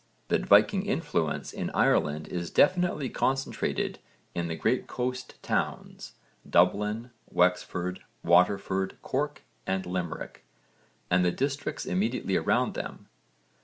that Viking influence in Ireland is definitely concentrated in the great coast towns Dublin, Wexford, Waterford, Cork and Limerick and the districts immediately around them.